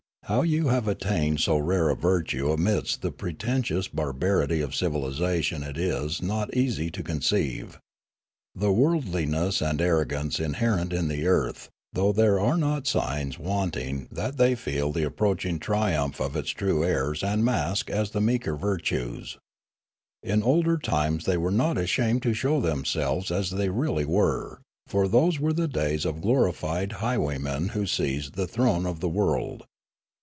How you have attained so rare a virtue amidst the pretentious barbarity of civilisation it is not easy to conceive. There worldliness and arrogance in herit the earth, though there are not signs wanting that they feel the approaching triumph of its true heirs and mask as the meeker virtues. In older times they were not ashamed to show themselves as they really were ; for those were the days of glorified highway men who seized the throne of the world.